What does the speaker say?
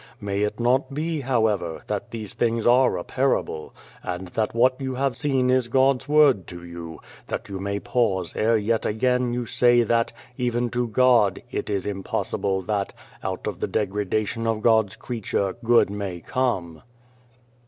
May it not be, however, that these things are a parable ; and that what you have seen is God's word to you, that you may pause ere yet again you say that, even to God, it is impossible that, out of the degradation of God's creature, good may come